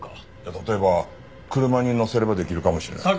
例えば車に載せればできるかもしれない。